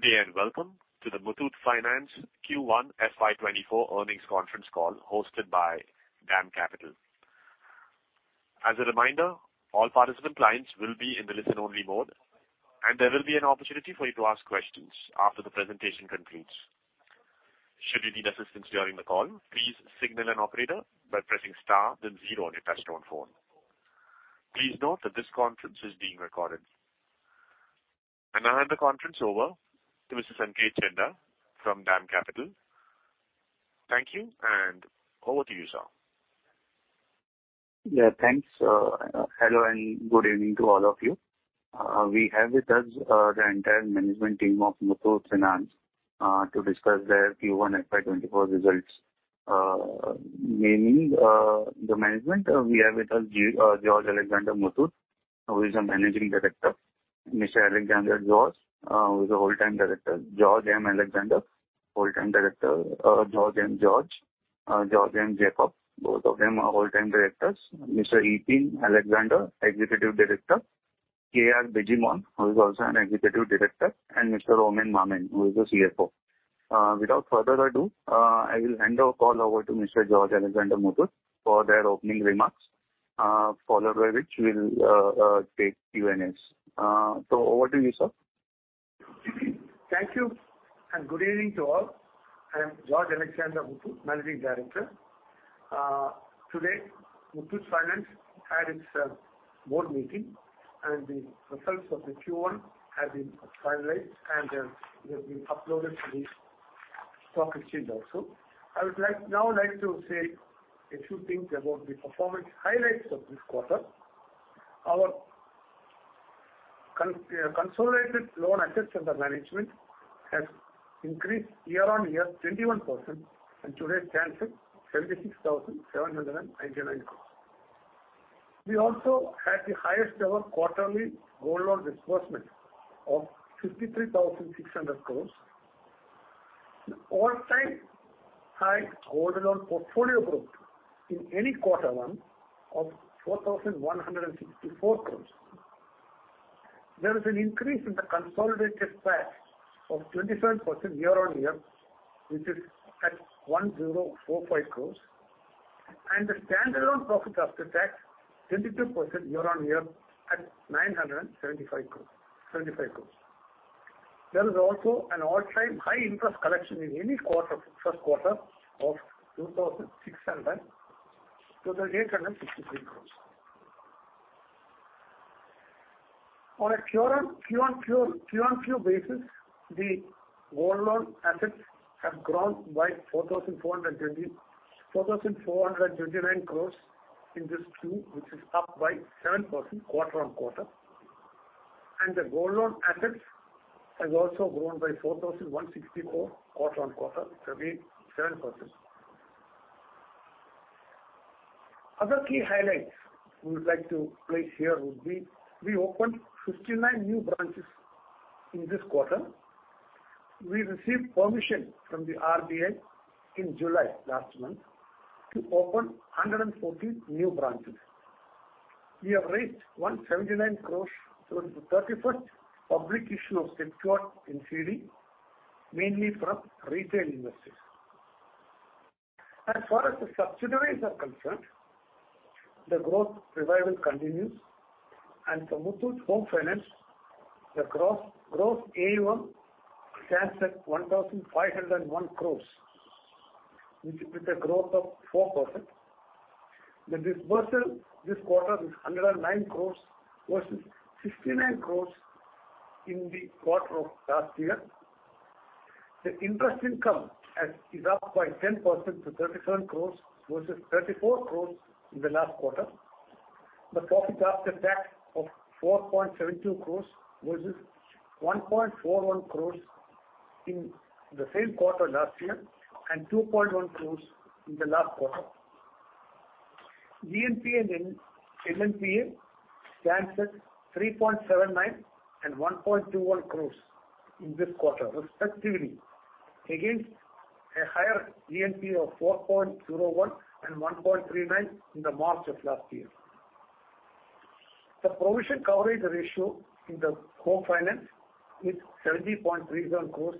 Ladies and gentlemen, good day and welcome to the Muthoot Finance Q1 FY24 earnings conference call, hosted by DAM Capital. As a reminder, all participant lines will be in the listen-only mode. There will be an opportunity for you to ask questions after the presentation concludes. Should you need assistance during the call, please signal an operator by pressing star, then 0 on your touchtone phone. Please note that this conference is being recorded. Now I hand the conference over to Mr. Sanket Chheda from DAM Capital. Thank you. Over to you, sir. Thanks, hello, and good evening to all of you. We have with us the entire management team of Muthoot Finance to discuss their Q1 FY24 results. Mainly, the management, we have with us George Alexander Muthoot, who is the Managing Director. Mr. Alexander George, who is a Whole-time Director. George M. Alexander, Whole-time Director, George M. George, George M. Jacob, both of them are Whole-time Directors. Mr. Eapen Alexander, Executive Director, K.R. Bijimon, who is also an Executive Director, and Mr. Oommen Mammen, who is the CFO. Without further ado, I will hand our call over to Mr. George Alexander Muthoot for their opening remarks, followed by which we'll take Q&As. Over to you, sir. Thank you. Good evening to all. I am George Alexander Muthoot, Managing Director. Today, Muthoot Finance had its board meeting. The results of the Q1 have been finalized. They have been uploaded to the stock exchange also. I would now like to say a few things about the performance highlights of this quarter. Our consolidated loan assets under management has increased year-on-year 21%, and today stands at 76,799 crore. We also had the highest ever quarterly gold loan disbursement of INR 53,600 crore. The all-time high gold loan portfolio growth in any Q1 of 4,164 crore. There is an increase in the consolidated PAT of 27% year-on-year, which is at 1,045 crores, and the standalone profit after tax, 22% year-on-year at 975 crore, 75 crores. There is also an all-time high interest collection in any quarter, 1st quarter, of 2,600, total INR 863 crores. On a QOQ basis, the gold loan assets have grown by 4,420 crores, 4,429 crores in this Q, which is up by 7% quarter-on-quarter. The gold loan assets have also grown by 4,164 crores, quarter-on-quarter, it's again, 7%. Other key highlights we would like to place here would be, we opened 59 new branches in this quarter. We received permission from the RBI in July, last month, to open 114 new branches. We have raised 179 crores through the 31st publication of secured NCD, mainly from retail investors. As far as the subsidiaries are concerned, the growth revival continues, and for Muthoot Home Finance, the gross, gross AUM stands at 1,501 crores, which is with a growth of 4%. The disbursement this quarter is 109 crores versus 69 crores in the quarter of last year. The interest income has, is up by 10% to 37 crores versus 34 crores in the last quarter. The profit after tax of 4.72 crores versus 1.41 crores in the same quarter last year, and 2.1 crores in the last quarter. GNPA and NNPA stands at 3.79% and 1.21 crore in this quarter, respectively, against a higher GNPA of 4.01% and 1.39% in the March of last year. The provision coverage ratio in the home finance is 70.37 crore,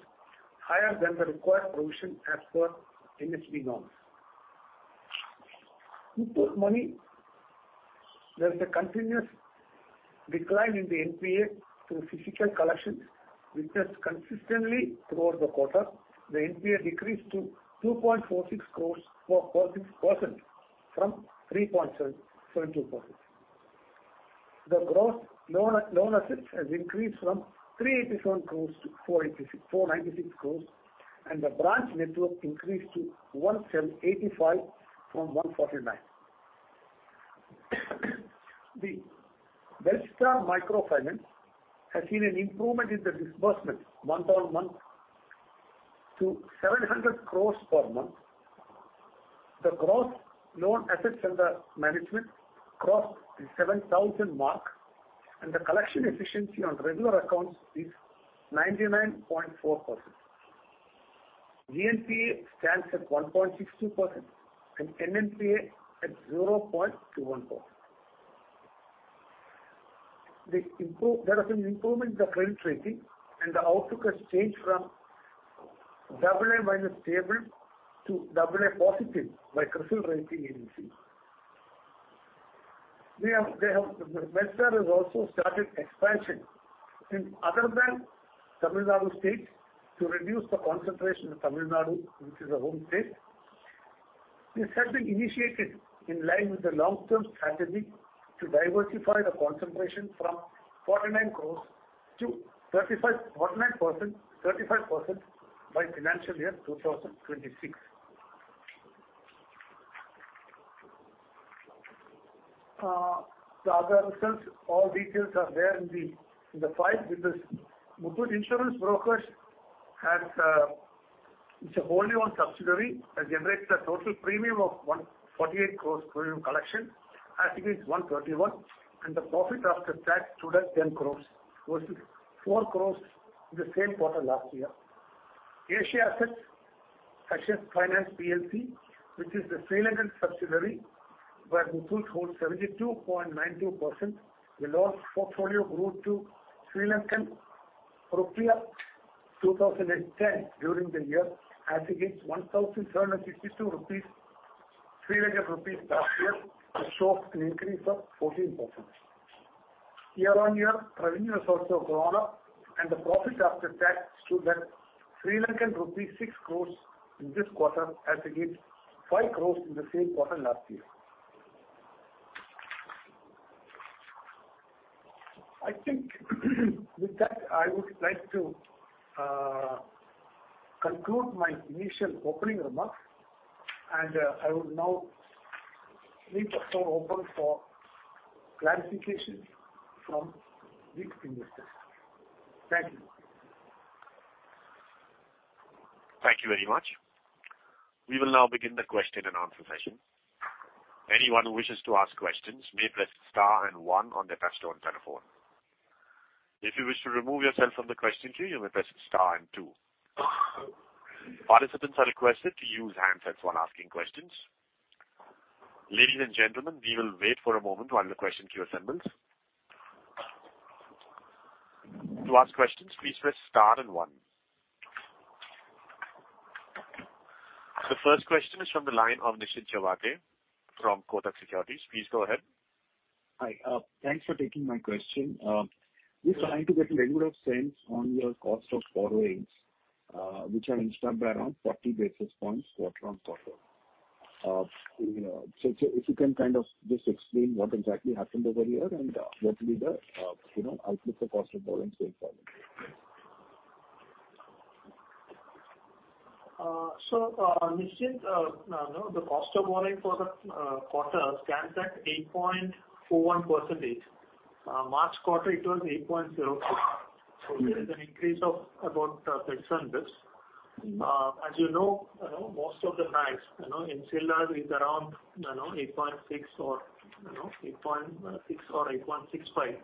higher than the required provision as per NHB norms. Muthoot Money, there is a continuous decline in the NPA through physical collections, which has consistently throughout the quarter. The NPA decreased to 2.46 crore, 4.6%, from 3.72%. The gross loan assets has increased from 387 crore to 486 crore, 496 crore, and the branch network increased to 175 from 149. The Belstar Microfinance has seen an improvement in the disbursement month-on-month to 700 crore per month. The gross loan assets under management crossed the 7,000 mark, and the collection efficiency on regular accounts is 99.4%. GNPA stands at 1.62% and NNPA at 0.21%. There has been improvement in the credit rating and the outlook has changed from AA- stable to AA positive by CRISIL Ratings Limited. We have, they have, Muthoot has also started expansion in other than Tamil Nadu state to reduce the concentration in Tamil Nadu, which is a home state. This has been initiated in line with the long-term strategy to diversify the concentration from 49 crore to 35 crore, 49%, 35% by FY26. The other results, all details are there in the file. Muthoot Insurance Brokers has, it's a wholly owned subsidiary, has generated a total premium of 148 crore premium collection as against 131, the profit after tax stood at 10 crore versus 4 crore in the same quarter last year. Asia Asset Finance PLC, which is the Sri Lankan subsidiary, where Muthoot holds 72.92%. The loan portfolio grew to LKR 2,010 during the year, as against LKR 1,762 last year, which shows an increase of 14%. Year-on-year, revenue has also grown up, the profit after tax stood at LKR 6 crore in this quarter, as against LKR 5 crore in the same quarter last year. I think with that, I would like to conclude my initial opening remarks. I would now leave the floor open for clarification from the investors. Thank you. Thank you very much. We will now begin the question and answer session. Anyone who wishes to ask questions may press star and one on their touchtone telephone. If you wish to remove yourself from the question queue, you may press star and two. Participants are requested to use handsets when asking questions. Ladies and gentlemen, we will wait for a moment while the question queue assembles. To ask questions, please press star and one. The first question is from the line of Nischint Chawathe from Kotak Securities. Please go ahead. Hi, thanks for taking my question. Just trying to get a little bit of sense on your cost of borrowings, which have increased by around 40 basis points quarter-on-quarter. So if you can kind of just explain what exactly happened over here and what will be the, you know, outlook for cost of borrowing going forward? Nischint, no, the cost of borrowing for the quarter stands at 8.41%. March quarter, it was 8.04%. There is an increase of about 6 basis. As you know, most of the banks, you know, in Sri Lanka is around, you know, 8.6% or, you know, 8.6% or 8.65%.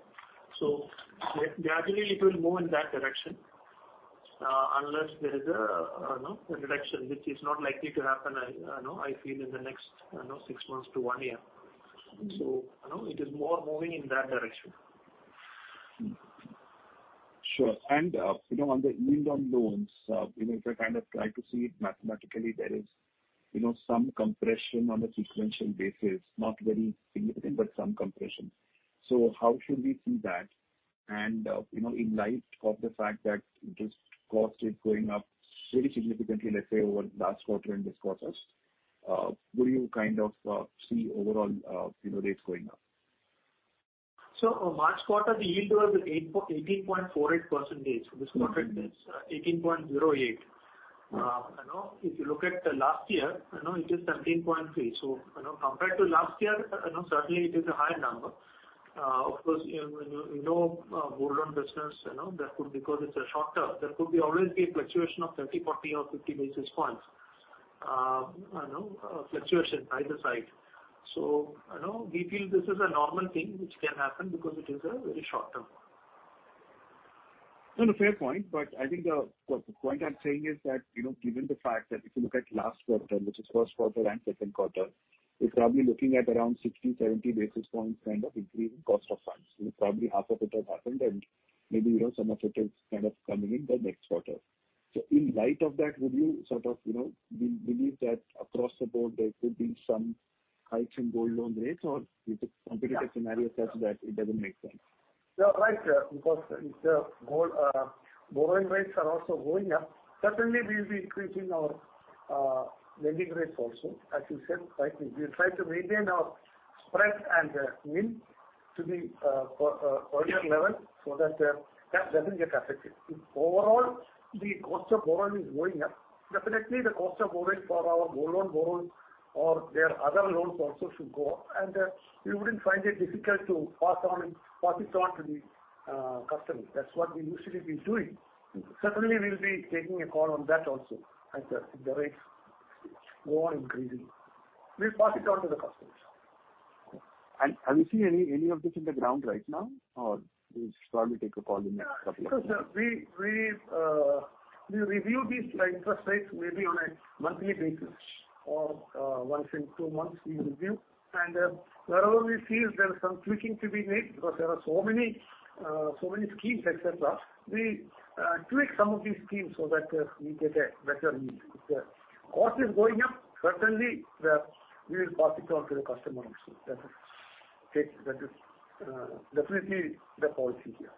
Gradually it will move in that direction, unless there is a, you know, a reduction, which is not likely to happen, I, you know, I feel in the next, you know, six months to one year. You know, it is more moving in that direction. Sure. You know, on the yield on loans, you know, if I kind of try to see it mathematically, there is, you know, some compression on a sequential basis, not very significant, but some compression. How should we see that? You know, in light of the fact that this cost is going up very significantly, let's say, over last quarter and this quarter, will you kind of, see overall, you know, rates going up? March quarter, the yield was 18.48%. This quarter it is 18.08%. You know, if you look at the last year, you know, it is 17.3%. You know, compared to last year, you know, certainly it is a higher number. Of course, you know, when you know, gold loan business, you know, that could because it's a short term, there could be always be a fluctuation of 30, 40 or 50 basis points, you know, fluctuation either side. You know, we feel this is a normal thing which can happen because it is a very short term. No, no, fair point. I think the, the point I'm saying is that, you know, given the fact that if you look at last quarter, which is first quarter and second quarter, we're probably looking at around 60-70 basis points kind of increase in cost of funds. Probably half of it has happened, and maybe, you know, some of it is kind of coming in the next quarter. In light of that, would you sort of, you know, believe that across the board there could be some heights in gold loan rates or is the competitive scenario such that it doesn't make sense? You're right, because if the gold, borrowing rates are also going up, certainly we will be increasing our, lending rates also. As you said, rightly, we try to maintain our spread and yield to the earlier level so that, that doesn't get affected. If overall, the cost of borrowing is going up, definitely the cost of borrowing for our gold loan borrowers or their other loans also should go up, and, we wouldn't find it difficult to pass on, pass it on to the customer. That's what we usually be doing. Certainly, we'll be taking a call on that also, as the, the rates go on increasing. We'll pass it on to the customers. Have you seen any, any of this in the ground right now, or you just probably take a call in the next couple of months? Yeah. Sir, we, we, we review these, like, interest rates maybe on a monthly basis or, once in two months we review. Wherever we feel there's some tweaking to be made, because there are so many, so many schemes, et cetera, we, tweak some of these schemes so that, we get a better yield. If the cost is going up, certainly the, we will pass it on to the customer also. That is, okay, that is, definitely the policy here.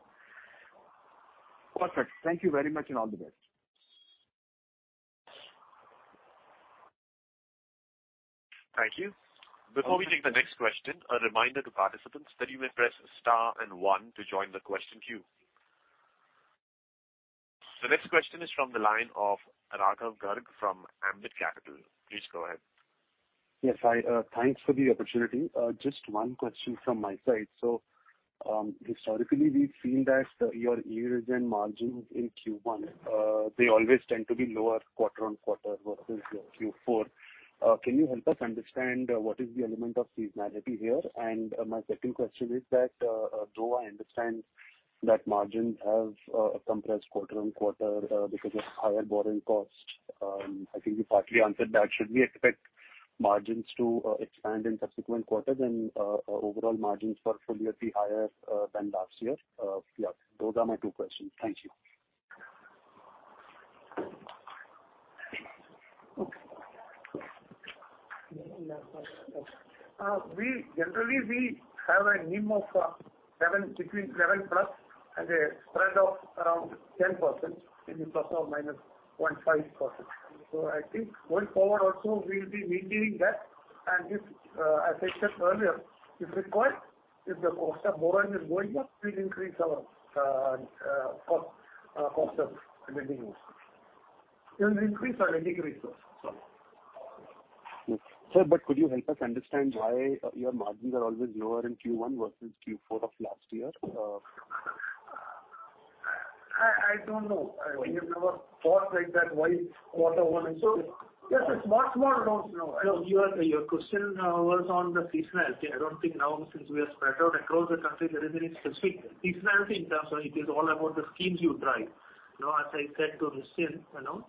Perfect. Thank you very much. All the best. Thank you. Before we take the next question, a reminder to participants that you may press Star and One to join the question queue. The next question is from the line of Raghav Garg from Ambit Capital. Please go ahead. Yes, I, thanks for the opportunity. Just one question from my side. Historically, we've seen that your yields and margins in Q1, they always tend to be lower quarter-on-quarter versus your Q4. Can you help us understand what is the element of seasonality here? My second question is that, though I understand that margins have compressed quarter-on-quarter because of higher borrowing costs, I think you partly answered that. Should we expect margins to expand in subsequent quarters and overall margins portfolio be higher than last year? Yeah, those are my two questions. Thank you. Okay. we generally we have a NIM of, 7 between 7+ and a spread of around 10%, maybe ±0.5%. I think going forward also, we will be maintaining that. This, as I said earlier, if required, if the cost of borrowing is going up, we'll increase our, cost, cost of lending use. It will increase or decrease also. Sir, could you help us understand why your margins are always lower in Q1 versus Q4 of last year? I, I don't know. I have never thought like that, why quarter one is so... Yes, it's much more around, you know. Your, your question was on the seasonality. I don't think now, since we are spread out across the country, there is any specific seasonality in terms of it is all about the schemes you drive. You know, as I said to Nischint, you know,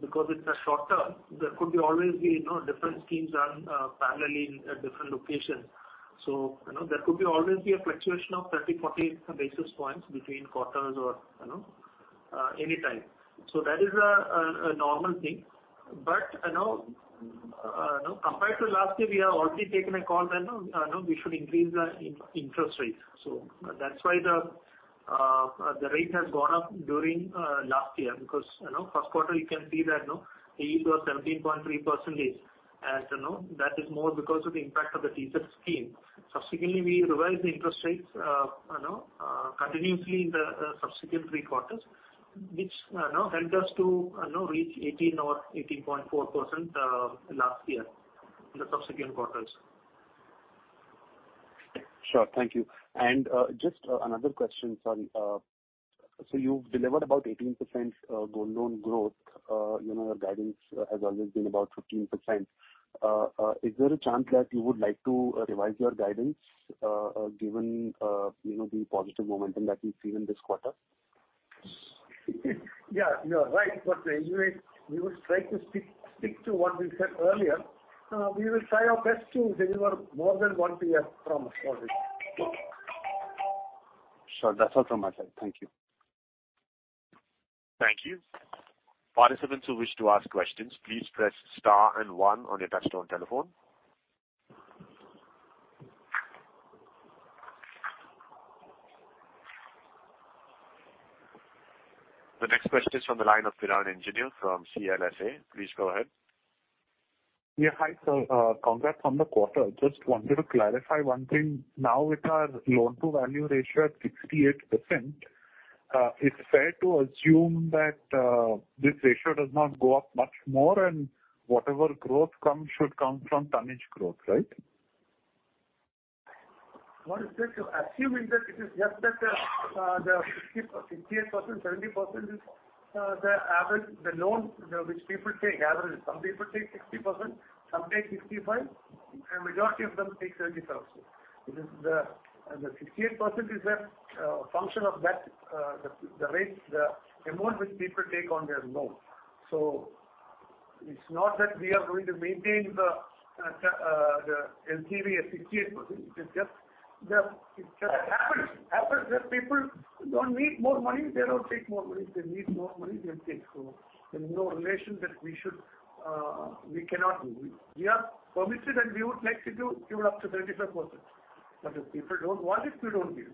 because it's a short term, there could be always be, you know, different schemes run parallelly at different locations. You know, there could be always be a fluctuation of 30, 40 basis points between quarters or, you know, any time. That is a, a, a normal thing. You know, compared to last year, we have already taken a call that, you know, we should increase the interest rates. That's why the rate has gone up during last year, because, you know, first quarter, you can see that, you know, it was 17.3%. As you know, that is more because of the impact of the teaser scheme. Subsequently, we revised the interest rates, you know, continuously in the subsequent three quarters, which now helped us to, you know, reach 18% or 18.4% last year in the subsequent quarters. Sure. Thank you. Just another question. Sorry. So you've delivered about 18% gold loan growth. You know, your guidance has always been about 15%. Is there a chance that you would like to revise your guidance, given, you know, the positive momentum that we've seen in this quarter? Yeah, you're right, anyway, we would like to stick to what we said earlier. We will try our best to deliver more than what we have promised for this. Sure. That's all from my side. Thank you. Thank you. Participants who wish to ask questions, please press Star and One on your touchtone telephone. The next question is from the line of Piran Engineer from CLSA. Please go ahead. Yeah. Hi, sir. congrats on the quarter. Just wanted to clarify one thing. Now, with our loan-to-value ratio at 68%, it's fair to assume that this ratio does not go up much more, and whatever growth come should come from tonnage growth, right? What is that you're assuming that it is just that the 68%, 70% is the average, the loan which people take average. Some people take 60%, some take 65, and majority of them take 70,000. The 68% is a function of that the rate, the amount which people take on their loan. It's not that we are going to maintain the LTV at 68%. It's just, it just happens, happens that people don't need more money, they don't take more money. If they need more money, they take more. There's no relation that we should, we cannot do. We are permitted, and we would like to do, give it up to 35%, but if people don't want it, we don't give.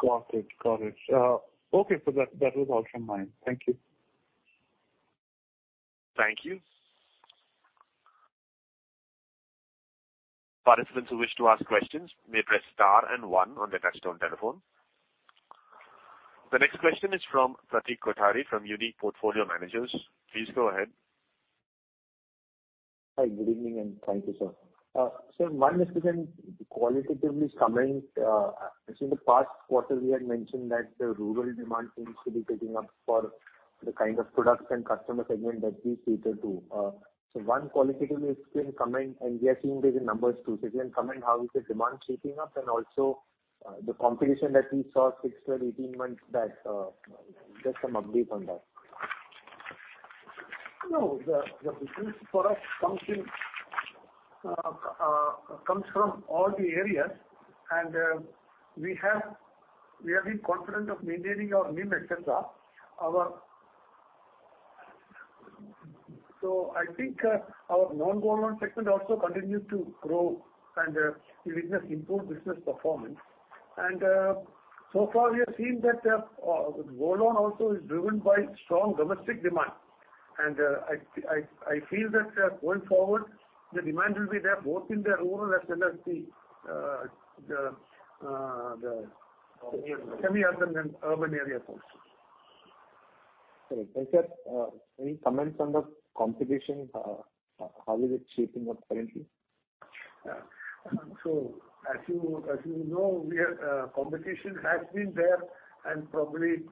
Got it. Got it. Okay, so that, that was all from mine. Thank you. Thank you. Participants who wish to ask questions may press Star and One on their touchtone telephone. The next question is from Pratik Kothari, from Unique Portfolio Managers. Please go ahead. Hi, good evening, and thank you, sir. One is to then qualitatively comment, in the past quarter, we had mentioned that the rural demand seems to be picking up for the kind of products and customer segment that we cater to. One qualitative is still comment, and we are seeing there is numbers, too. You can comment how is the demand shaping up, and also the competition that we saw six, 12, 18 months back, just some update on that. No, the, the business for us comes in, comes from all the areas, and we have, we have been confident of maintaining our NIM et cetera. I think, our non-gold loan segment also continues to grow. We witness improved business performance. So far, we have seen that, gold loan also is driven by strong domestic demand. I, I, I feel that, going forward, the demand will be there both in the rural as well as the semi-urban and urban areas also. Right. Sir, any comments on the competition? How is it shaping up currently? As you, as you know, we are, competition has been there, and probably,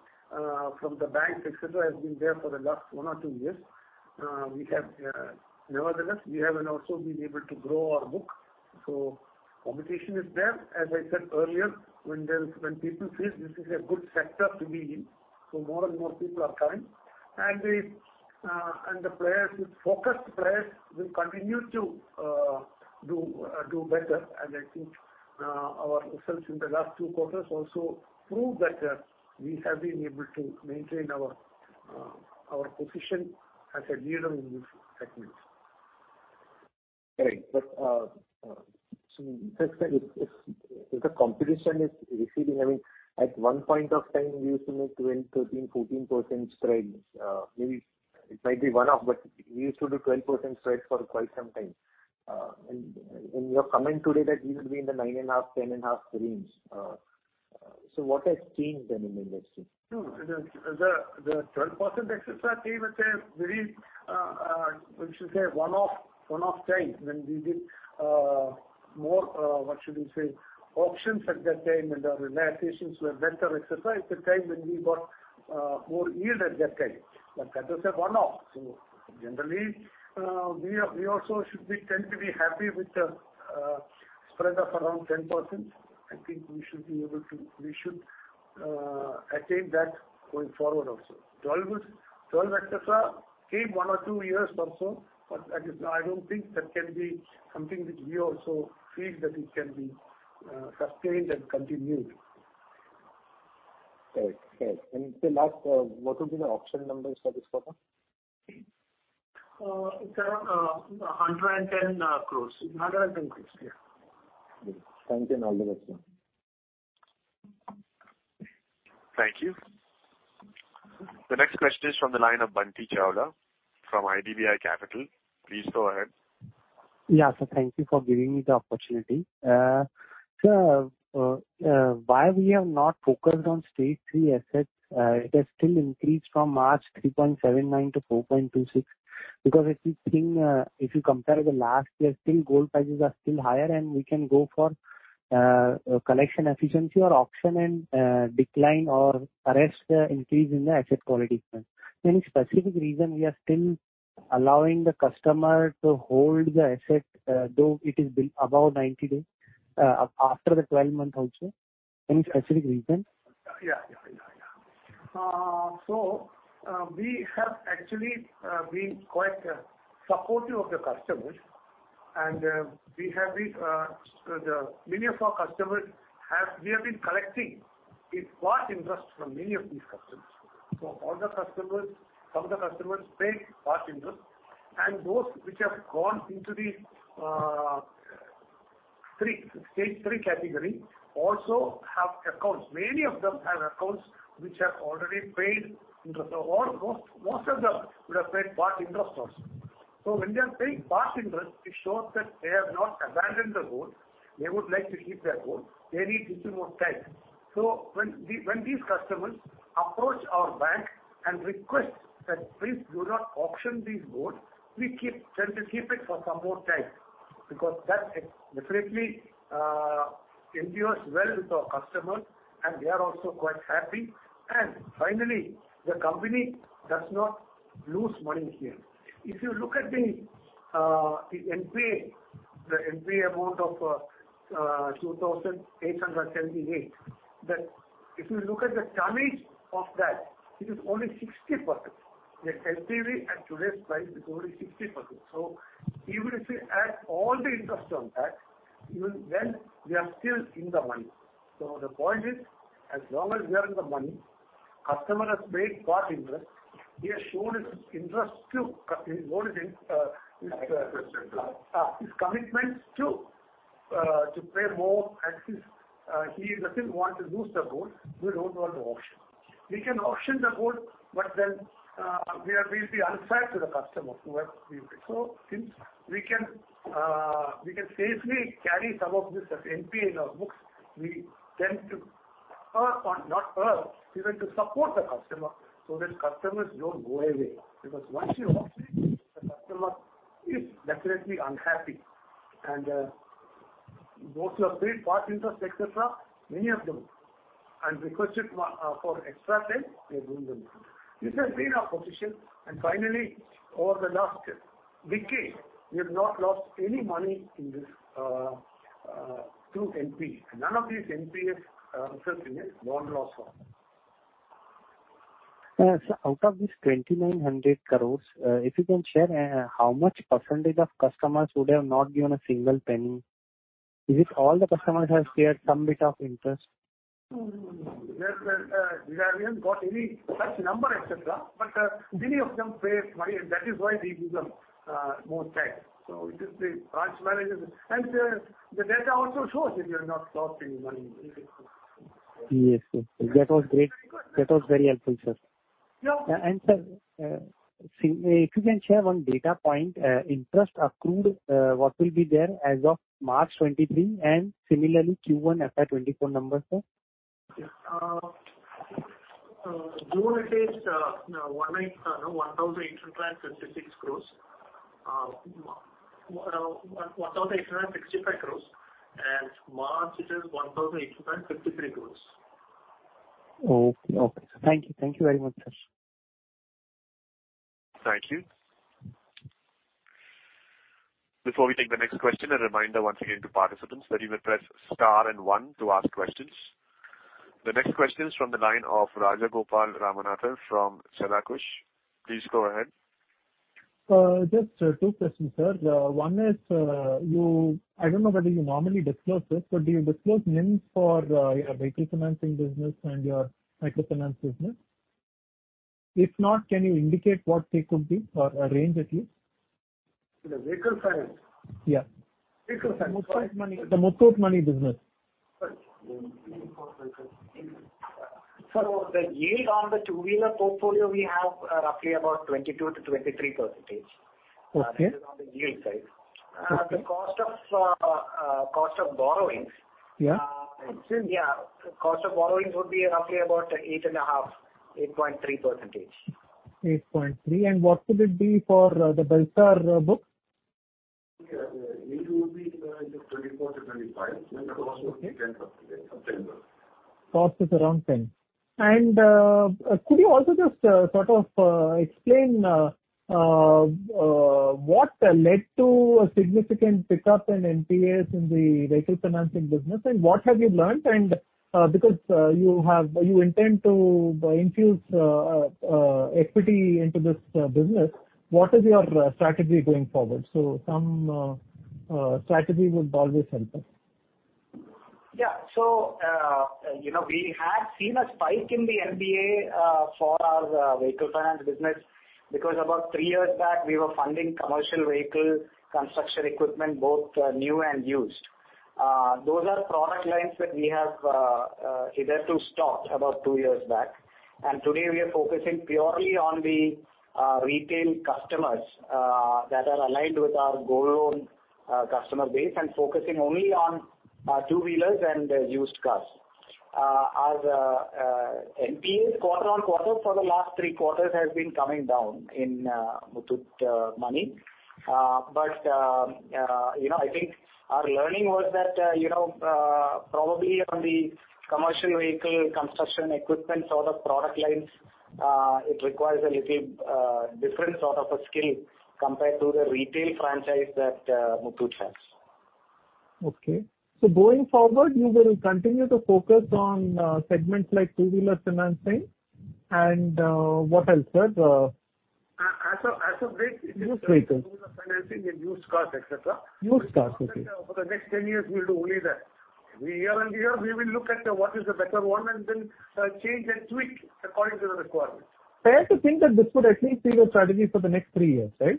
from the banks, et cetera, has been there for the last one or two years. We have, nevertheless, we have also been able to grow our book. Competition is there. As I said earlier, when people feel this is a good sector to be in, more and more people are coming. The, and the players, the focused players will continue to, do, do better, and I think, our results in the last two quarters also prove that, we have been able to maintain our, our position as a leader in this segment. Right. If, if, if the competition is increasing, I mean, at one point of time, we used to make 12%, 13%, 14% spreads. Maybe it might be one-off, but we used to do 12% spreads for quite some time. Your comment today that we will be in the 9.5%, 10.5% range. What has changed then in the industry? The, the, the 12%, et cetera, I think that is very, we should say, one-off, one-off time when we did more, what should we say, options at that time, and our realizations were better, et cetera. It's a time when we got more yield at that time, that was a one-off. Generally, we, we also should be, tend to be happy with the spread of around 10%. I think we should be able to-- we should attain that going forward also. 12 was, 12, et cetera, came one or two years or so, I, I don't think that can be something which we also feel that it can be sustained and continued. Right. Right. The last, what will be the auction numbers for this quarter? It's 110 crore. 110 crore, yeah. Thank you, and all the best. Thank you. The next question is from the line of Bunty Chawla from IDBI Capital. Please go ahead. Yeah, sir. Thank you for giving me the opportunity. Sir, why we have not focused on stage three assets? It has still increased from March 3.79% to 4.26%. Because if you think, if you compare the last year, still gold prices are still higher, and we can go for collection efficiency or auction and decline or arrest the increase in the asset quality. Any specific reason we are still allowing the customer to hold the asset, though it is above 90 days, after the 12 month also? Any specific reason? Yeah, yeah, yeah, yeah. We have actually been quite supportive of the customers, and we have been collecting its part interest from many of these customers. All the customers, some of the customers pay part interest, and those which have gone into the 3, stage 3 category, also have accounts. Many of them have accounts which have already paid interest, or most, most of them would have paid part interest also. When they are paying part interest, it shows that they have not abandoned the gold. They would like to keep their gold. They need little more time. When the, when these customers approach our bank and request that, "Please do not auction these gold," we keep, tend to keep it for some more time, because that definitely endures well with our customers, and they are also quite happy. Finally, the company does not lose money here. If you look at the NPA, the NPA amount of 2,878, that if you look at the tonnage of that, it is only 60%. The LTV at today's price is only 60%. Even if we add all the interest on that, even then, we are still in the money. The point is, as long as we are in the money, customer has paid part interest, he has shown his interest to his commitment to pay more and he doesn't want to lose the gold. We don't want to auction. We can auction the gold, then we'll be unfair to the customer who has... Since we can safely carry some of this NPA in our books, we tend to not even to support the customer, so that customers don't go away. Because once you auction, the customer is definitely unhappy. Those who have paid part interest, et cetera, many of them-... and requested for extra time, we are giving them. This has been our position, and finally, over the last decade, we have not lost any money in this through NPA. None of these NPAs result in a loan loss for us. Yes, out of this 2,900 crore, if you can share, how much % of customers would have not given a single penny? Is it all the customers have cleared some bit of interest? Well, we have not got any such number, et cetera, but many of them pay money, and that is why we give them more time. It is the branch managers. The data also shows that we are not losing money. Yes, sir. That was great. That was very helpful, sir. Yeah. Sir, if you can share 1 data point, interest accrued, what will be there as of March 2023, and similarly, Q1 FY 2024 numbers, sir? June, it is 1,836 crore. 1,865 crore, March, it is 1,853 crore. Okay. Okay, sir. Thank you. Thank you very much, sir. Thank you. Before we take the next question, a reminder once again to participants that you may press star 1 to ask questions. The next question is from the line of Rajagopal Ramanathan from Sada khush. Please go ahead. Just two questions, sir. One is, you... I don't know whether you normally disclose this, but do you disclose NIM for your vehicle financing business and your microfinance business? If not, can you indicate what they could be, or a range at least? The vehicle finance? Yeah. Vehicle finance. The Muthoot Money, the Muthoot Money business. The yield on the two-wheeler portfolio we have, roughly about 22%-23%. Okay. That is on the yield side. Okay. The cost of, cost of borrowings. Yeah. Yeah, cost of borrowings would be roughly about 8.5, 8.3%. 8.3. What would it be for the Belstar book? It will be just 24-25, and the cost would be 10%. Cost is around 10. Could you also just, sort of, explain, what led to a significant pickup in NPAs in the vehicle financing business, and what have you learned? Because, You intend to, infuse, equity into this, business, what is your strategy going forward? Some strategy would always help us. Yeah. So, you know, we had seen a spike in the NPA for our vehicle finance business, because about three years back, we were funding commercial vehicle construction equipment, both new and used. Those are product lines that we have hitherto stopped about two years back. Today, we are focusing purely on the retail customers that are aligned with our gold loan customer base, and focusing only on two-wheelers and used cars. Our NPAs quarter-on-quarter for the last three quarters has been coming down in Muthoot Money. You know, I think our learning was that, you know, probably on the commercial vehicle, construction equipment sort of product lines, it requires a little different sort of a skill compared to the retail franchise that Muthoot has. Okay. Going forward, you will continue to focus on segments like two-wheeler financing and what else, sir? as of date- Used vehicles. Financing and used cars, et cetera. Used cars, okay. For the next 10 years, we'll do only that. We year-on-year, we will look at what is the better one, and then change and tweak according to the requirement. Safe to think that this would at least be your strategy for the next three years, right?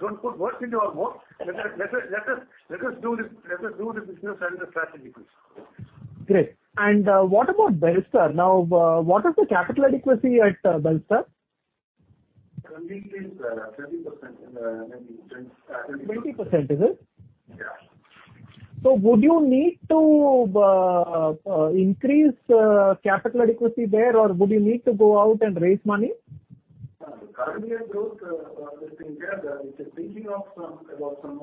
Don't put words into our mouth. Let us do the business and the strategies. Great. What about Belstar? Now, what is the capital adequacy at Belstar? Currently, it's 20%. 20%, is it? Yeah. Would you need to increase capital adequacy there, or would you need to go out and raise money? Currently, I drove, this thing here. There is a thinking of some, about some,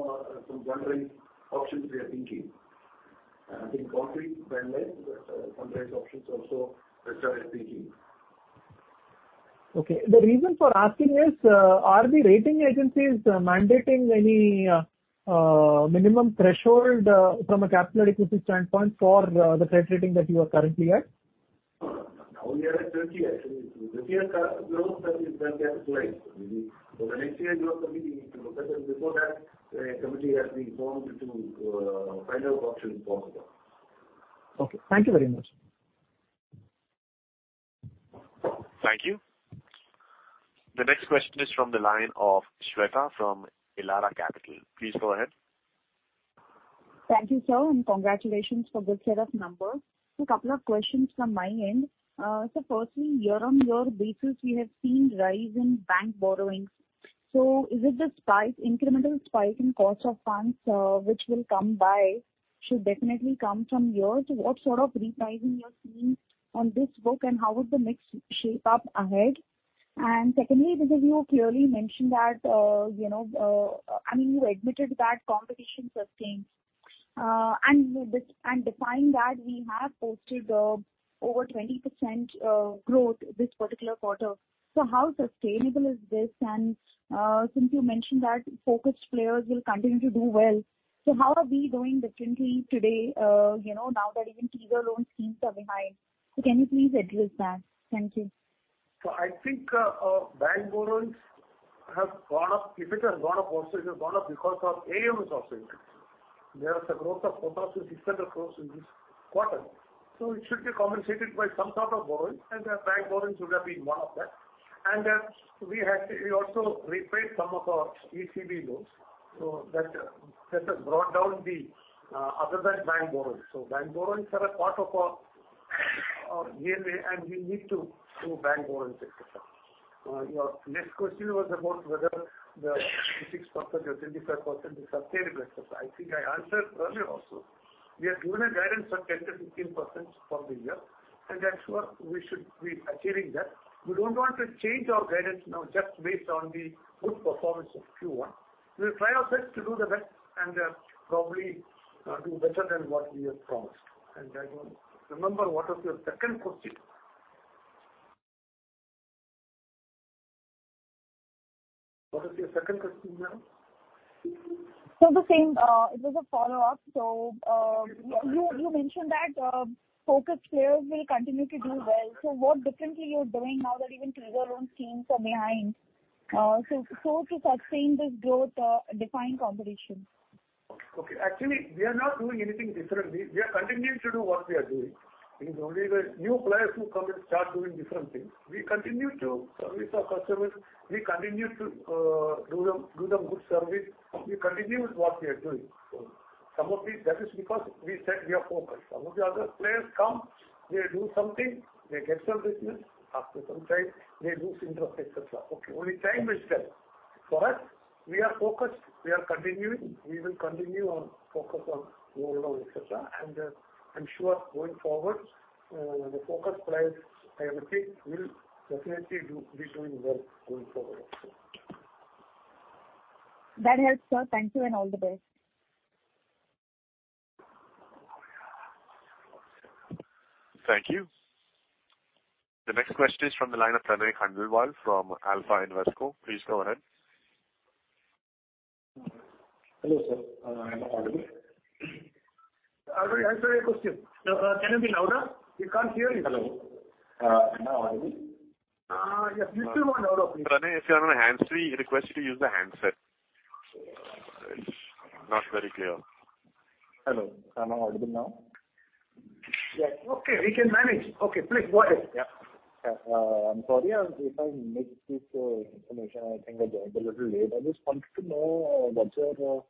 some fund-raise options we are thinking. I think completely finalized, but some fund-raise options also which are we thinking. Okay. The reason for asking is, are the rating agencies mandating any minimum threshold from a capital adequacy standpoint for the credit rating that you are currently at? Now we are at 30. This year, growth that is done last year. When next year you are coming, before that, a committee has been formed to find out what should be possible. Okay, thank you very much. Thank you. The next question is from the line of Shweta from Elara Capital. Please go ahead. Thank you, sir, and congratulations for good set of numbers. A couple of questions from my end. Firstly, year-over-year basis, we have seen rise in bank borrowings. Is it the spike, incremental spike in cost of funds, which will come by, should definitely come from here? What sort of repricing you're seeing on this book, and how would the mix shape up ahead? ... Secondly, because you clearly mentioned that, you know, I mean, you admitted that competition sustained, and with this, and defying that, we have posted, over 20%, growth this particular quarter. How sustainable is this? Since you mentioned that focused players will continue to do well, how are we doing differently today, you know, now that even trigger loan schemes are behind? Can you please address that? Thank you. I think our bank loans have gone up. If it has gone up also, it has gone up because our AUM is also increased. There was a growth of INR 4,600 crore in this quarter. It should be compensated by some sort of borrowing, and their bank borrowings would have been one of that. Then we also repaid some of our ECB loans, so that, this has brought down the other than bank borrowings. Bank borrowings are a part of our, our yearly, and we need to do bank borrowings, et cetera. Your next question was about whether the 26% or 25% is sustainable, et cetera. I think I answered earlier also. We have given a guidance of 10%-15% for the year, and I'm sure we should be achieving that. We don't want to change our guidance now just based on the good performance of Q1. We'll try our best to do the best and probably do better than what we have promised, and that one. Remember, what was your second question? What was your second question now? The same, it was a follow-up. You, you mentioned that focused players will continue to do well. What differently you're doing now that even trigger loan schemes are behind? So to sustain this growth, define competition. Okay. Actually, we are not doing anything differently. We are continuing to do what we are doing. It is only the new players who come and start doing different things. We continue to service our customers, we continue to do the, do the good service. We continue with what we are doing. Some of the... That is because we said we are focused. Some of the other players come, they do something, they get some business, after some time, they lose interest, et cetera. Okay, only time will tell. For us, we are focused, we are continuing, we will continue on focus on more loans, et cetera. I'm sure going forward, the focused players, I would think, will definitely do, be doing well going forward. That helps, sir. Thank you, and all the best. Thank you. The next question is from the line of Pranay Khandelwal from Alpha Invesco. Please go ahead. Hello, sir. Am I audible? I already answered your question. Can you be louder? We can't hear you. Hello? Am I audible? Yes, you still more louder, please. Pranay, if you're on a hands-free, we request you to use the handset. It's not very clear. Hello, am I audible now? Yes. Okay, we can manage. Okay, please go ahead. Yeah. I'm sorry if I missed this information. I think I joined a little late. I just wanted to know, what's your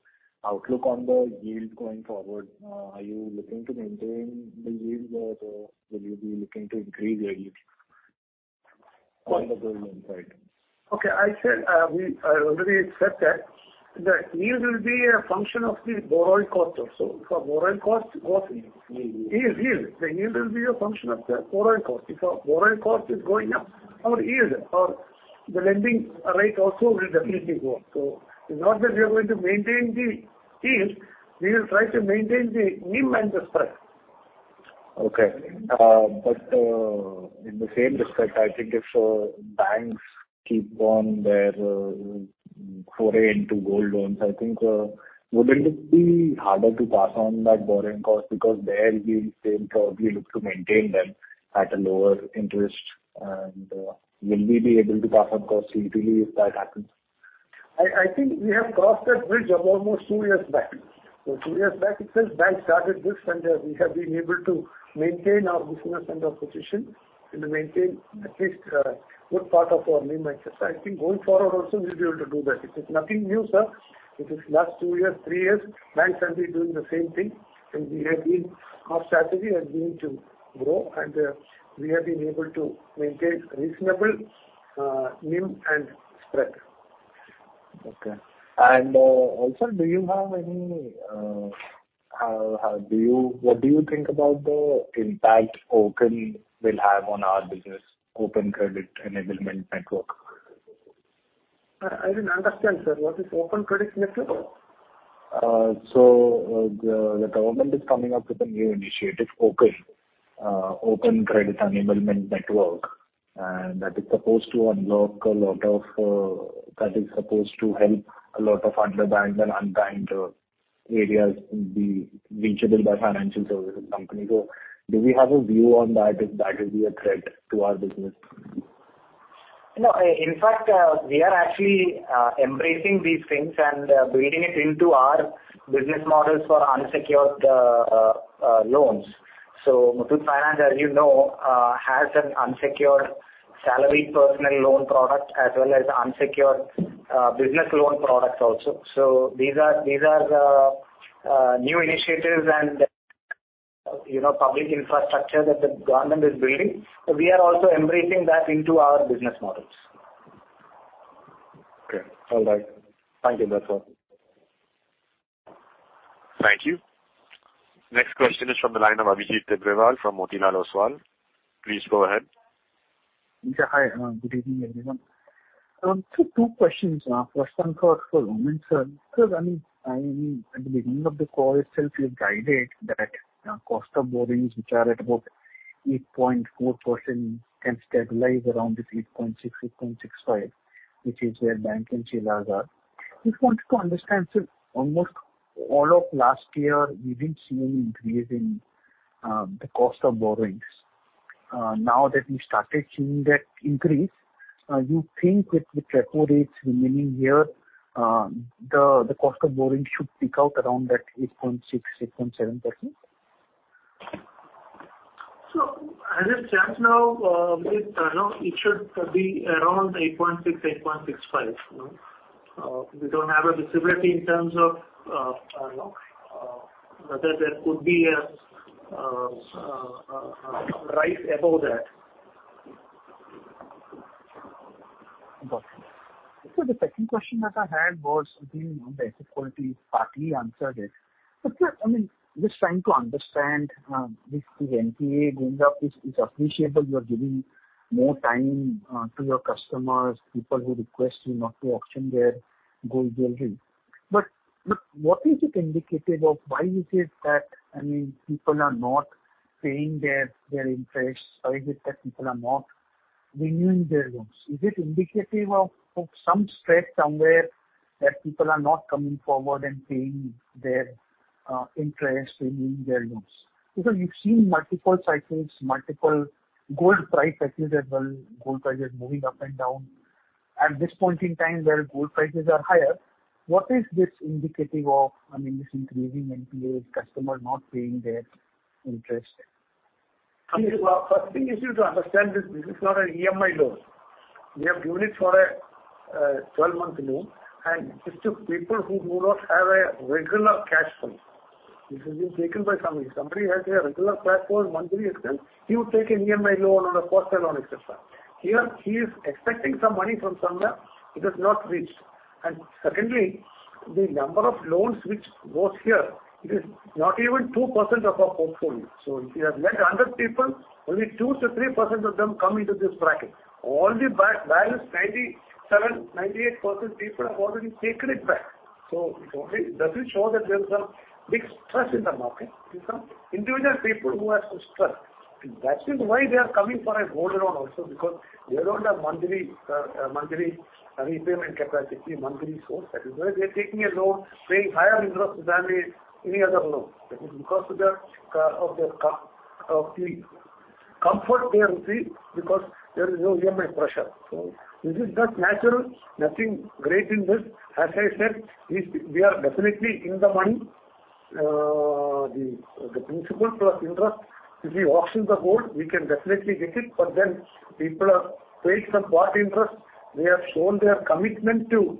outlook on the yield going forward? Are you looking to maintain the yield, or, will you be looking to increase the yield on the gold loan side? I said, I already said that the yield will be a function of the borrowing cost also. Borrowing cost what? Yield. Yield, yield. The yield will be a function of the borrowing cost. If our borrowing cost is going up, our yield or the lending rate also will definitely go up. It's not that we are going to maintain the yield, we will try to maintain the NIM and the spread. Okay. In the same respect, I think if banks keep on their foray into gold loans, I think, wouldn't it be harder to pass on that borrowing cost? Because there they will still probably look to maintain them at a lower interest. Will we be able to pass on cost easily if that happens? I think we have crossed that bridge of almost two years back. Two years back, since banks started this, and we have been able to maintain our business and our position, and maintain at least, good part of our NIM, et cetera. I think going forward also, we'll be able to do that. It is nothing new, sir. It is last two years, three years, banks have been doing the same thing, and we have been... Our strategy has been to grow, and we have been able to maintain reasonable, NIM and spread. Okay. Also, do you have any, how, how, what do you think about the impact OCEN will have on our business, Open Credit Enablement Network? I did not understand, sir. What is Open Credit Network? The, the government is coming up with a new initiative, OCEN, Open Credit Enablement Network, and that is supposed to unlock a lot of. That is supposed to help a lot of underbanked and unbanked areas be reachable by financial services company. Do we have a view on that, if that will be a threat to our business? No, in fact, we are actually embracing these things and building it into our business models for unsecured loans. Muthoot Finance, as you know, has an unsecured salary personal loan product, as well as unsecured business loan products also. These are, these are the new initiatives and, you know, public infrastructure that the government is building. We are also embracing that into our business models. Okay. All right. Thank you. That's all.... Thank you. Next question is from the line ofAbhijit Tibrewal from Motilal Oswal. Please go ahead. Yeah, hi. Good evening, everyone. Sir, two questions. First one for, for a moment, sir. Sir, I mean, I mean, at the beginning of the call itself, you have guided that cost of borrowings, which are at about 8.4%, can stabilize around this 8.6, 8.65, which is where bank and AAAs are. Just wanted to understand, sir, almost all of last year, we've been seeing an increase in the cost of borrowings. Now that we started seeing that increase, you think with, with repo rates remaining here, the cost of borrowing should peak out around that 8.6, 8.7%? As it stands now, it, no, it should be around 8.6, 8.65. We don't have a visibility in terms of, you know, whether there could be a right above that. Got you. The second question that I had was within on basic quality, partly answered it. Sir, I mean, just trying to understand, this, the NPA going up is, is appreciable. You are giving more time, to your customers, people who request you not to auction their gold jewelry. What is it indicative of? Why is it that, I mean, people are not paying their, their interest? Why is it that people are not renewing their loans? Is it indicative of, of some stress somewhere, that people are not coming forward and paying their, interest, renewing their loans? Because you've seen multiple cycles, multiple gold price cycles as well, gold prices moving up and down. At this point in time, where gold prices are higher, what is this indicative of, I mean, this increasing NPA, customer not paying their interest? I mean, first thing is you to understand this, this is not an EMI loan. We have given it for a 12-month loan, and it's to people who do not have a regular cash flow. This has been taken by somebody. Somebody has a regular cash flow monthly expense, he would take an EMI loan or a personal loan, et cetera. Here, he is expecting some money from somewhere, it has not reached. Secondly, the number of loans which goes here, it is not even 2% of our portfolio. If you have lent 100 people, only 2%-3% of them come into this bracket. All the balance, 97%, 98% people have already taken it back. It only doesn't show that there's a big stress in the market. There's some individual people who has some stress. That is why they are coming for a gold loan also because they don't have monthly, monthly repayment capacity, monthly source. They're taking a loan, paying higher interest than any other loan. Because of the comfort they will see, because there is no EMI pressure. This is just natural, nothing great in this. As I said, if we are definitely in the money, the, the principal plus interest, if we auction the gold, we can definitely get it, but then people have paid some part interest. They have shown their commitment to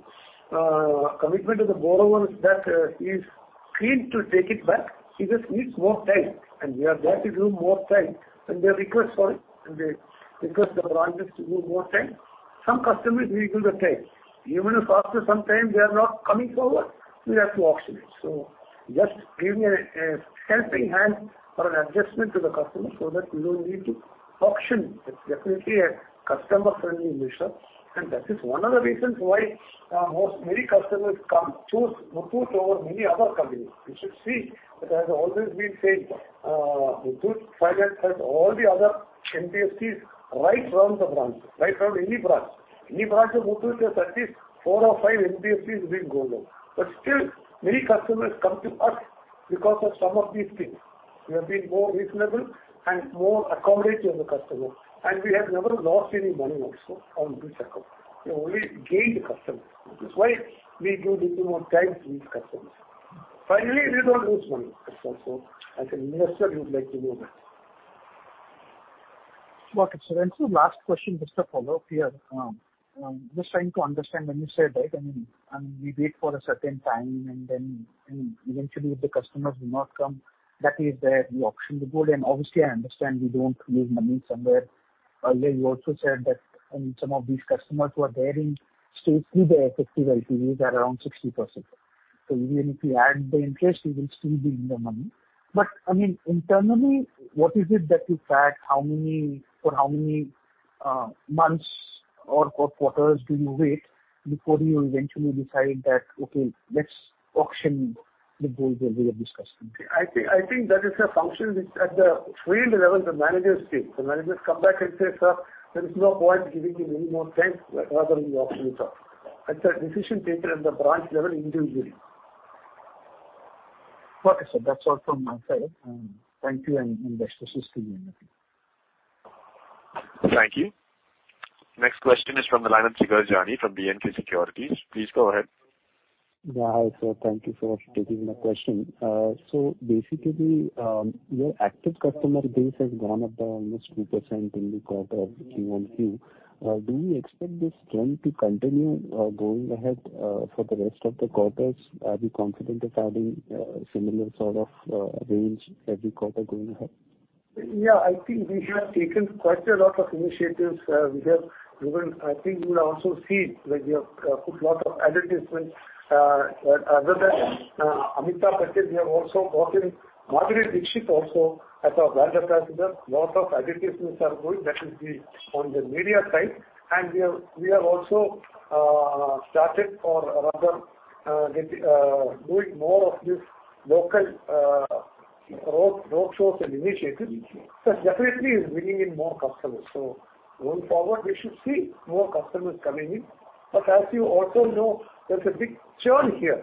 commitment to the borrowers that he's keen to take it back. He just needs more time, and we have got to give him more time, and they request for it, and they request the branches to give more time. Some customers, we give the time. Even if after some time they are not coming forward, we have to auction it. Just giving a helping hand or an adjustment to the customer so that we don't need to auction. It's definitely a customer-friendly measure, and that is one of the reasons why most many customers come, choose Muthoot over many other companies. You should see that has always been said, Muthoot Finance has all the other NBFCs right from the branch, right from any branch. Any branch of Muthoot has at least four or five NBFCs giving gold loan. Still, many customers come to us because of some of these things. We have been more reasonable and more accommodating of the customer, and we have never lost any money also on this account. We only gained the customers. That is why we give little more time to these customers. Finally, we don't lose money. That's also, as an investor, you'd like to know that. Okay, sir. Last question, just a follow-up here. just trying to understand when you said that, I mean, and we wait for a certain time, and then, and eventually if the customers do not come, that is where you auction the gold. Obviously, I understand we don't lose money somewhere. Earlier, you also said that, some of these customers who are there in still see their effective LTVs are around 60%. So even if you add the interest, you will still be in the money. I mean, internally, what is it that you track? How many... For how many months or quarters do you wait before you eventually decide that, okay, let's auction the gold that we are discussing? I think, I think that is a function which at the field level, the managers take. The managers come back and say, "Sir, there is no point giving him any more time. Let rather we auction it off." That's a decision taken at the branch level individually. Okay, sir, that's all from my side. Thank you, and best wishes to you. Thank you. Next question is from the line of Jigar Jani from B&K Securities. Please go ahead. Yeah, hi, sir. Thank you for taking my question. Basically, your active customer base has gone up by almost 2% in the quarter of Q1Q. Do you expect this trend to continue going ahead for the rest of the quarters? Are you confident of having a similar sort of range every quarter going ahead? Yeah, I think we have taken quite a lot of initiatives. We have given, I think you will also see that we have put lot of advertisements. Other than Amitabh Bachchan, we have also brought in Madhuri Dixit also as our brand ambassador. Lot of advertisements are going, that is the on the media side. We have, we have also started or rather get doing more of this local road shows and initiatives. That definitely is bringing in more customers. Going forward, we should see more customers coming in. As you also know, there's a big churn here.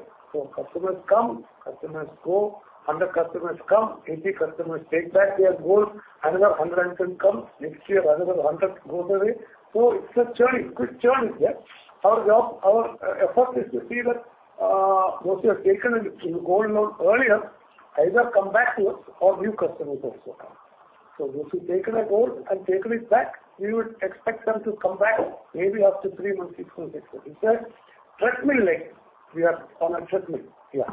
Customers come, customers go, 100 customers come, 80 customers take back their gold, another 100 can come next year, another 100 go away. It's a churning, quick churning there. Our job, our effort is to see that those who have taken a gold loan earlier, either come back to us or new customers also come. Those who've taken a gold and taken it back, we would expect them to come back maybe after three months, six months, eight months. It's a treadmill like. We are on a treadmill. Yeah.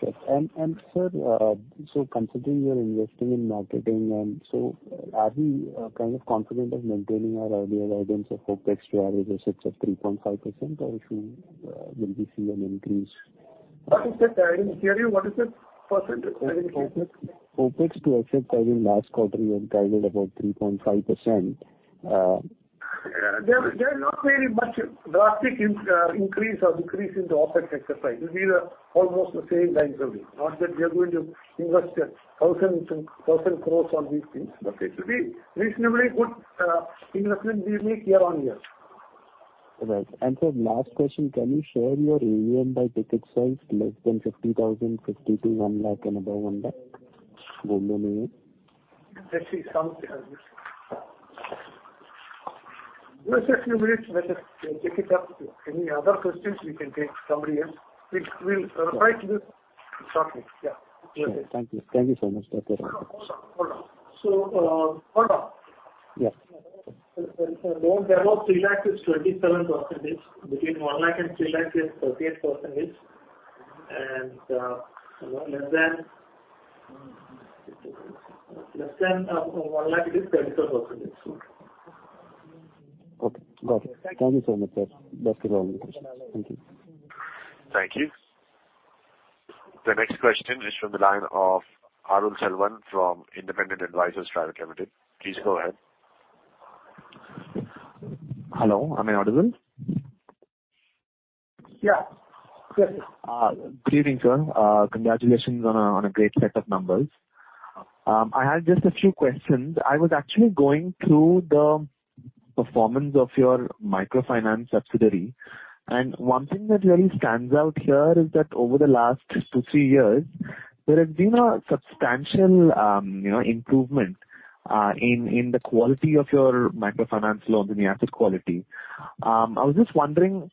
Sure. And sir, so considering you are investing in marketing and so are we, kind of confident of maintaining our earlier guidance of OpEx to average assets of 3.5%, or if you, will we see an increase? What is that, I didn't hear you? What is the %? OpEx. OpEx to asset, I think last quarter you had guided about 3.5%. Yeah. There is not very much drastic in increase or decrease in the OpEx exercise. It will be the almost the same lines only. Not that we are going to invest thousands and thousand crores on these things. Okay. It will be reasonably good, investment we make year on year. Right. Sir, last question: Can you share your revenue by ticket size, less than 50,000, 50,000-100,000, and above 100,000? In million. Let's see, some... Give us a few minutes. Let us look it up. Any other questions we can take somebody else, which we'll try to do shortly. Yeah. Sure. Thank you. Thank you so much. Okay. hold on. Yes. Above 3 lakh is 27%, between 1 lakh and 3 lakh is 38%, and less than, less than, INR 1 lakh, it is 37%. Okay, got it. Thank you. Thank you so much, sir. That's all my questions. Thank you. Thank you. The next question is from the line of Arul Selvan from Independent Advisors Private Limited. Please go ahead. Hello, am I audible? Yeah. Yes. Good evening, sir. Congratulations on a, on a great set of numbers. I had just a few questions. I was actually going through the performance of your microfinance subsidiary, one thing that really stands out here is that over the last two, three years, there has been a substantial, you know, improvement in, in the quality of your microfinance loans and the asset quality. I was just wondering,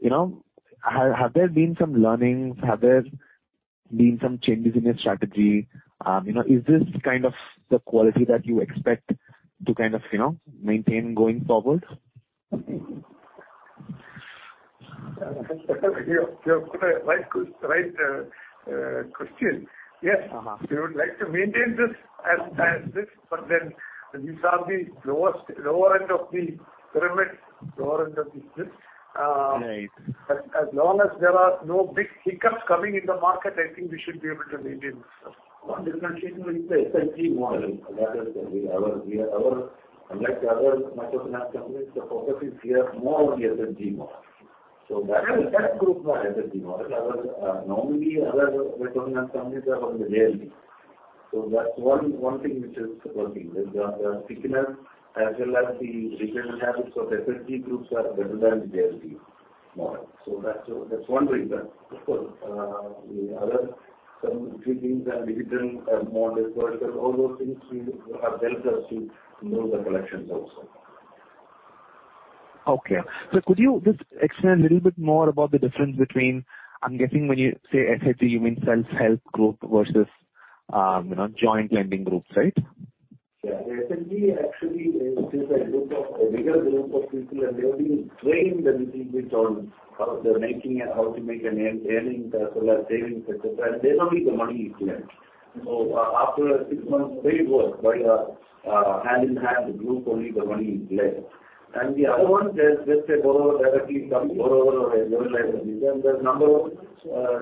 you know, have, have there been some learnings? Have there been some changes in your strategy? You know, is this kind of the quality that you expect to kind of, you know, maintain going forward? You, you have put a right ques- right, question. Yes. Uh-huh. We would like to maintain this as, as this, but then these are the lowest, lower end of the pyramid, lower end of the this. Right. As long as there are no big hiccups coming in the market, I think we should be able to maintain this. One differentiation is the SHG model. That is our. Unlike the other microfinance companies, the focus is here more on the SHG model. That group are SHG model. Otherwise, normally, other microfinance companies are from the JLG. That's one, one thing which is working. There's the, the thickener as well as the retail habits of SHG groups are better than JLG model. That's, that's one reason. Of course, the other some few things and digital models, because all those things we have helped us to move the collections also. Okay. Could you just explain a little bit more about the difference between, I'm guessing when you say SHG, you mean self-help group versus, you know, joint lending groups, right? Yeah. SHG actually is a group of, a bigger group of people, and they will be trained a little bit on how they're making and how to make an earning, as well as savings, et cetera. They only the money is lent. After six months, pay work by the hand in hand, the group only the money is lent. The other one is just a borrower directly come, borrower or a loan library. The number of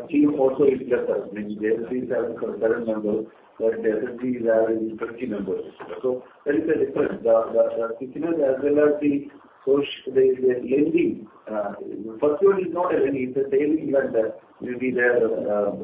team also is less as means they have 3,007 members, but the SHG is having 50 members. There is a difference. The, the, the thickness as well as the push, the, the lending, first one is not a lending, it's a saving lender will be there,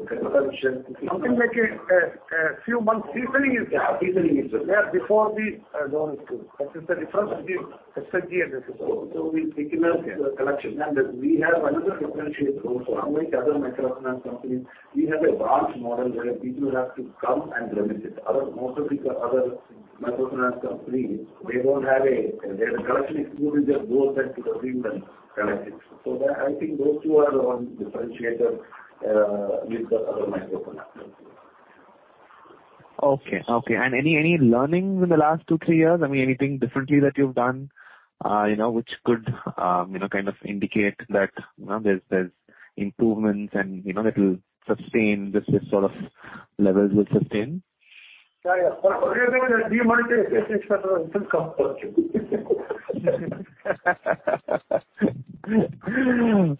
consumption. Something like a few months seasoning is there. Yeah, seasoning is there. Before the loan is given. That is the difference between SHG and this is. We thickener the collection. We have another differentiate also, unlike other microfinance companies, we have a branch model where people have to come and visit. Other, most of the other microfinance companies, they don't have a, their collection is good, we just go to the field and collect it. That, I think those two are the one differentiator with the other microfinance companies. Okay, okay. Any, any learnings in the last two, three years? I mean, anything differently that you've done, you know, which could, you know, kind of indicate that, you know, there's improvements and, you know, it'll sustain, this sort of levels will sustain? Yeah, yeah.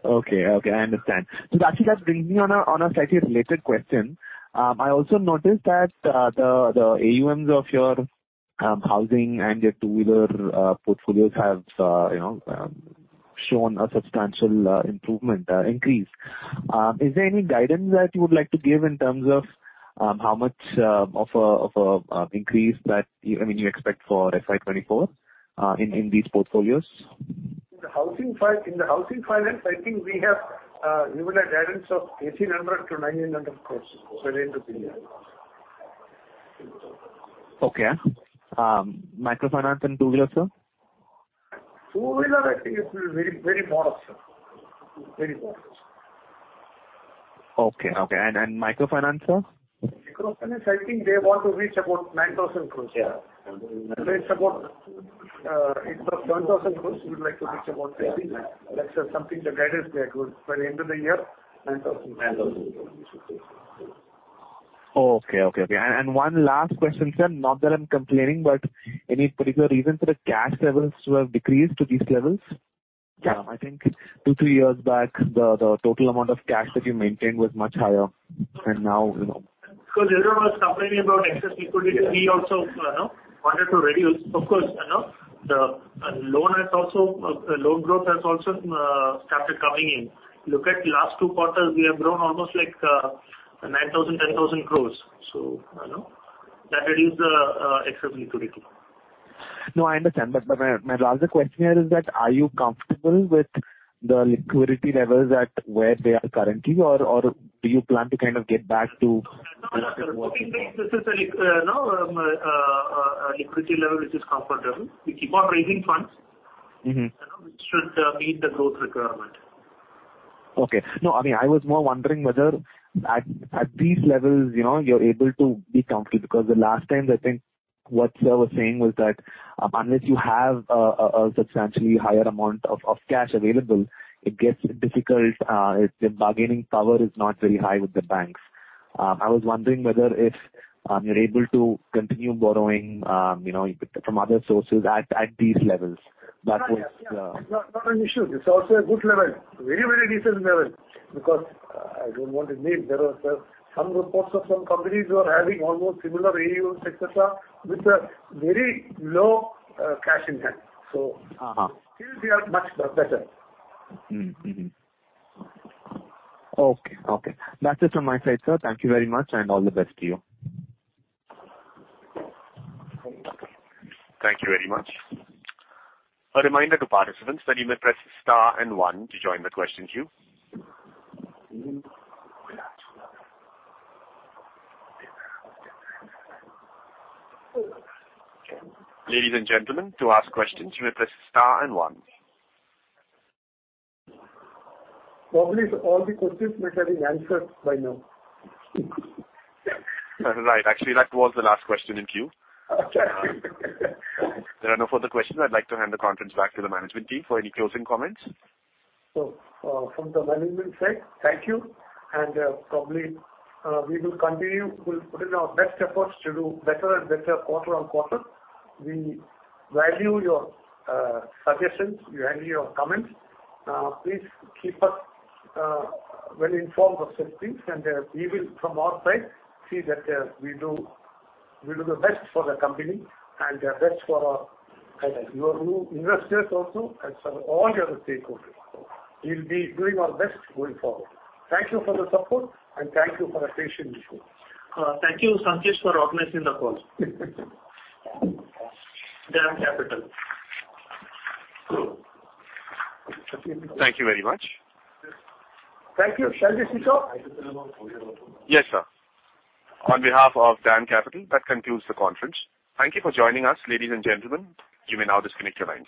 Okay, okay, I understand. Actually, that brings me on a, on a slightly related question. I also noticed that the AUMs of your housing and your two-wheeler portfolios have, you know, shown a substantial improvement, increase. Is there any guidance that you would like to give in terms of how much of a, of a, increase that you, I mean, you expect for FY24 in these portfolios? In the housing finance, I think we have given a guidance of 1,800 crore-1,900 crore by the end of the year. Okay. microfinance and two-wheeler, sir? Two-wheeler, I think it will be very, very modest, sir. Very modest. Okay, okay. And microfinance, sir? Microfinance, I think they want to reach about 9,000 crore. Yeah. It's about, instead of 1,000 crore, we would like to reach about 30. That's something the guidance they are good. By the end of the year, 9,000 crore. Okay, okay, okay. And one last question, sir. Not that I'm complaining, but any particular reason for the cash levels to have decreased to these levels? Yeah. I think two, three years back, the, the total amount of cash that you maintained was much higher. Now, you know. Everyone was complaining about excess liquidity, we also, you know, wanted to reduce. Of course, you know, the loan has also, loan growth has also, started coming in. Look at the last two quarters, we have grown almost like, 9,000 crore-10,000 crore. That reduced the excess liquidity. I understand. My larger question here is that are you comfortable with the liquidity levels at where they are currently, or do you plan to kind of get back to-? No, this is a, you know, a liquidity level, which is comfortable. We keep on raising funds- Mm-hmm. You know, which should meet the growth requirement. Okay. No, I mean, I was more wondering whether at, at these levels, you know, you're able to be comfortable. Because the last time, I think what sir was saying was that, unless you have a, a, a substantially higher amount of, of cash available, it gets difficult, the bargaining power is not very high with the banks. I was wondering whether if you're able to continue borrowing, you know, from other sources at, at these levels. That was. Yeah, not an issue. It's also a good level, very, very decent level, because I don't want to name. There are some reports of some companies who are having almost similar AUMs, et cetera, with a very low cash in hand. Uh-huh. Still, we are much better. Mm-hmm. Okay, okay. That's it from my side, sir. Thank you very much, and all the best to you. Thank you very much. A reminder to participants that you may press star and one to join the question queue. Ladies and gentlemen, to ask questions, you may press star and one. Probably, all the questions may have been answered by now. Right. Actually, that was the last question in queue. Okay. There are no further questions. I'd like to hand the conference back to the management team for any closing comments. From the management side, thank you. Probably, we will continue. We'll put in our best efforts to do better and better quarter on quarter. We value your suggestions. We value your comments. Please keep us well informed of such things, and we will, from our side, see that we do, we do the best for the company and the best for our your investors also, and so all your stakeholders. We'll be doing our best going forward. Thank you for the support, and thank you for your patience. Thank you, Sanket, for organizing the call. DAM Capital. True. Thank you very much. Thank you. Shall we switch off? Yes, sir. On behalf of DAM Capital, that concludes the conference. Thank you for joining us, ladies and gentlemen. You may now disconnect your lines.